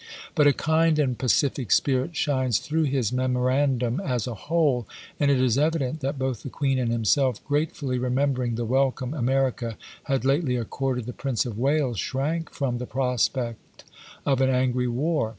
But a kind and pacific spirit shines THE "TRENT" AFFAIR 29 through his memorandum as a whole, and it is chap. ii. evident that both the Queen and himself, grate fully remembering the welcome America had lately accorded the Prince of Wales, shrank from the prospect of an angry war.